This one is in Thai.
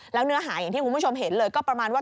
แล้วเนื้อหาอย่างที่คุณผู้ชมเห็นเลยก็ประมาณว่า